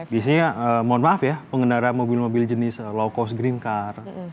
biasanya mohon maaf ya pengendara mobil mobil jenis low cost green car